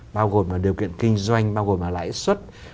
bao gồm là điều kiện kinh doanh bao gồm là lãi suất